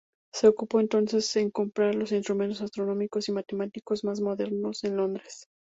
Se ocupó entonces en comprar los instrumentos astronómicos y matemáticos más modernos en Londres.